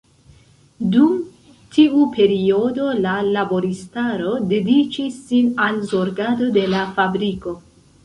Dum tiu periodo, la laboristaro dediĉis sin al zorgado de la fabriko.